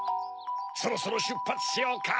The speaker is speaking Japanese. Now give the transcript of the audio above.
そろそろしゅっぱつしようか。